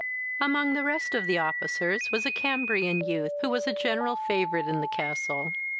Among the rest of the officers was a Cambrian youth, who was a general favourite in the castle.